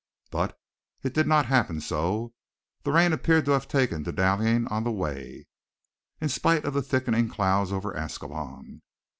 But it did not happen so. The rain appeared to have taken to dallying on the way, in spite of the thickening of clouds over Ascalon.